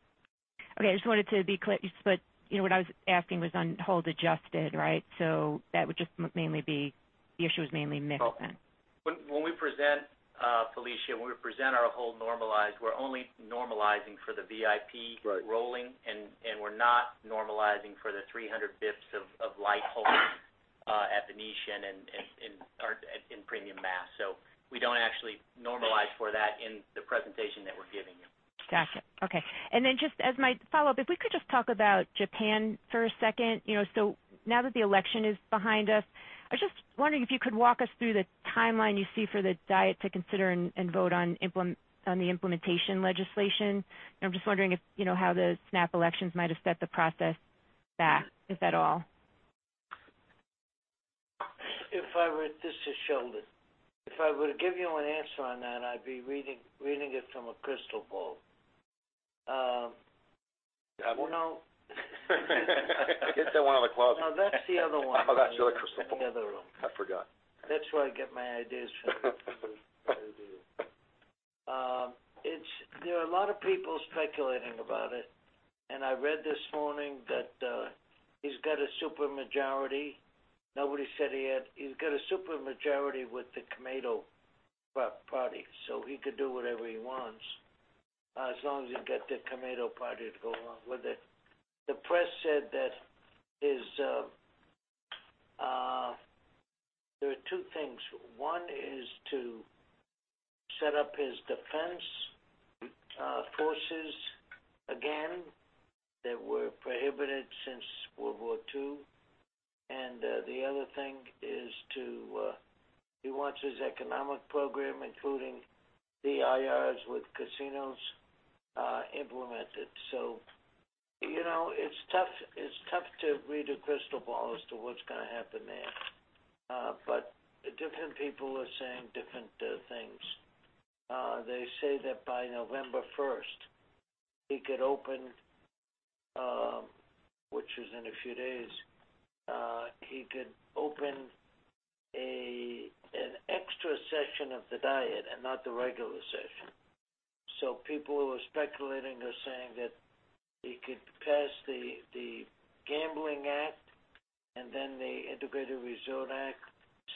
Speaker 12: I just wanted to be clear, but what I was asking was on hold adjusted, right? That would just mainly be, the issue is mainly mix then.
Speaker 2: When we present, Felicia, when we present our hold normalized, we're only normalizing for the VIP-
Speaker 5: Right
Speaker 2: rolling, we're not normalizing for the 300 basis points of light hold at Venetian and in premium mass. We don't actually normalize for that in the presentation that we're giving you.
Speaker 12: Gotcha. Okay. Then just as my follow-up, if we could just talk about Japan for a second. Now that the election is behind us, I was just wondering if you could walk us through the timeline you see for the Diet to consider and vote on the implementation legislation. I'm just wondering how the snap elections might have set the process back, if at all.
Speaker 3: This is Sheldon. If I were to give you an answer on that, I'd be reading it from a crystal ball.
Speaker 5: I have one.
Speaker 3: No.
Speaker 5: It's in one of the closets.
Speaker 3: No, that's the other one.
Speaker 5: Oh, that's the other crystal ball.
Speaker 3: In the other room.
Speaker 5: I forgot.
Speaker 3: That's where I get my ideas from. There are a lot of people speculating about it. I read this morning that he's got a super majority. Nobody said he had. He's got a super majority with the Komeito Party. He could do whatever he wants, as long as he can get the Komeito Party to go along with it. The press said that there are two things. One is to set up his defense forces again, that were prohibited since World War II. The other thing is he wants his economic program, including IRs with casinos, implemented. It's tough to read a crystal ball as to what's going to happen there. Different people are saying different things. They say that by November 1st he could open, which is in a few days, he could open an extra session of the Diet and not the regular session. People who are speculating are saying that he could pass the Gambling Act and then the Integrated Resort Act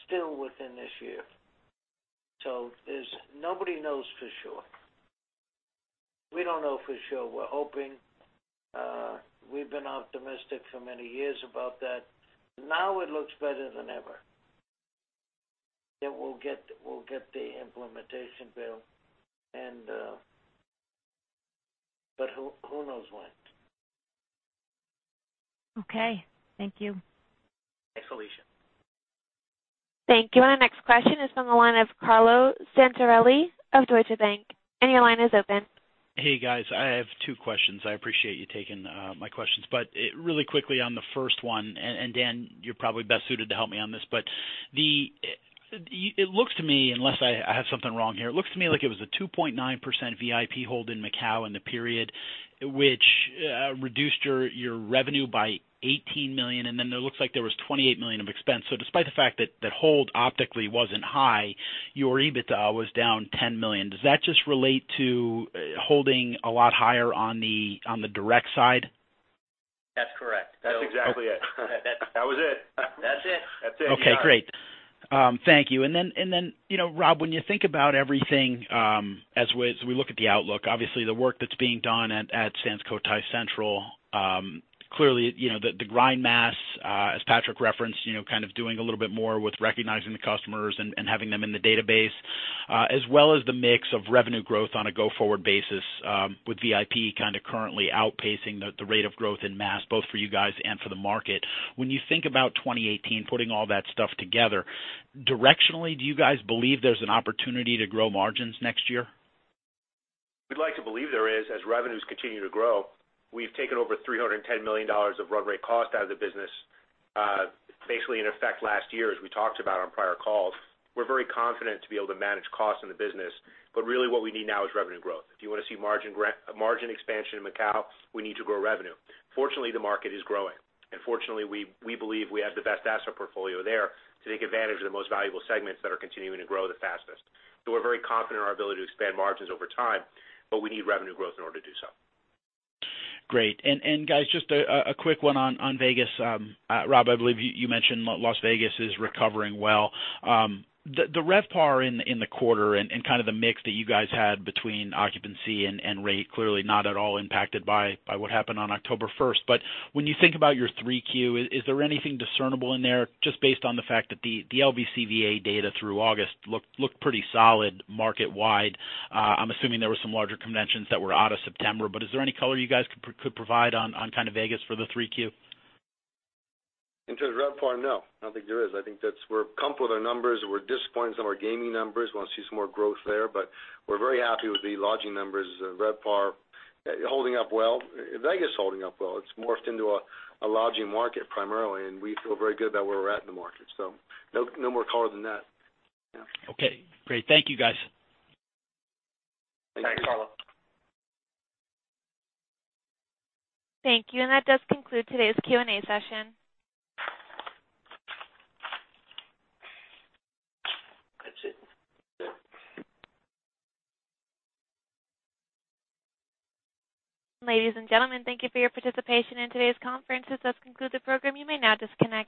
Speaker 3: still within this year. Nobody knows for sure. We don't know for sure. We're hoping. We've been optimistic for many years about that. Now it looks better than ever that we'll get the implementation bill. Who knows when.
Speaker 12: Okay. Thank you.
Speaker 2: Thanks, Felicia.
Speaker 1: Thank you. Our next question is from the line of Carlo Santarelli of Deutsche Bank. Your line is open.
Speaker 13: Hey, guys. I have two questions. I appreciate you taking my questions. Really quickly on the first one, Dan, you're probably best suited to help me on this. It looks to me, unless I have something wrong here, it looks to me like it was a 2.9% VIP hold in Macao in the period, which reduced your revenue by $18 million, then it looks like there was $28 million of expense. Despite the fact that hold optically wasn't high, your EBITDA was down $10 million. Does that just relate to holding a lot higher on the direct side?
Speaker 5: That's exactly it. That was it.
Speaker 6: That's it.
Speaker 5: That's it.
Speaker 13: Okay, great. Thank you. Rob, when you think about everything, as we look at the outlook, obviously the work that's being done at Sands Cotai Central, clearly, the grind mass, as Patrick referenced, kind of doing a little bit more with recognizing the customers and having them in the database, as well as the mix of revenue growth on a go-forward basis, with VIP kind of currently outpacing the rate of growth in mass, both for you guys and for the market. When you think about 2018, putting all that stuff together, directionally, do you guys believe there's an opportunity to grow margins next year?
Speaker 6: We'd like to believe there is, as revenues continue to grow. We've taken over $310 million of run rate cost out of the business, basically in effect last year, as we talked about on prior calls. We're very confident to be able to manage costs in the business. Really what we need now is revenue growth. If you want to see margin expansion in Macao, we need to grow revenue. Fortunately, the market is growing, fortunately, we believe we have the best asset portfolio there to take advantage of the most valuable segments that are continuing to grow the fastest. We're very confident in our ability to expand margins over time, we need revenue growth in order to do so.
Speaker 13: Great. Guys, just a quick one on Vegas. Rob, I believe you mentioned Las Vegas is recovering well. The RevPAR in the quarter and kind of the mix that you guys had between occupancy and rate, clearly not at all impacted by what happened on October 1st. When you think about your Q3, is there anything discernible in there, just based on the fact that the LVCVA data through August looked pretty solid market-wide? I'm assuming there were some larger conventions that were out of September, but is there any color you guys could provide on kind of Vegas for the Q3?
Speaker 5: In terms of RevPAR, no, I don't think there is. I think that we're comfortable with our numbers. We're disappointed in some of our gaming numbers. We want to see some more growth there, we're very happy with the lodging numbers. RevPAR holding up well. Vegas is holding up well. It's morphed into a lodging market primarily, we feel very good about where we're at in the market. No more color than that. Yeah.
Speaker 13: Okay, great. Thank you, guys.
Speaker 5: Thanks, Carlo.
Speaker 1: Thank you. That does conclude today's Q&A session.
Speaker 5: That's it. Yeah.
Speaker 1: Ladies and gentlemen, thank you for your participation in today's conference. This does conclude the program. You may now disconnect.